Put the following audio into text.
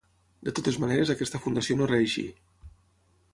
De totes maneres aquesta fundació no reeixí.